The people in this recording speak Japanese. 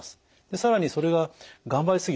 更にそれが頑張り過ぎた。